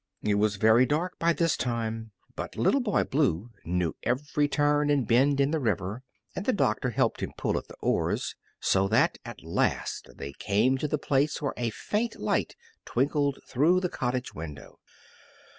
It was very dark by this time, but Little Boy Blue knew every turn and bend in the river, and the doctor helped him pull at the oars, so that at last they came to the place where a faint light twinkled through the cottage window.